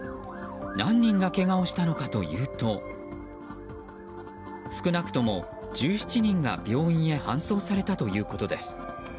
何人がけがをしたのかというと少なくとも１７人が病院に搬送されたということです。